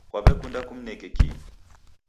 Kaw'ekunda kumneka kii?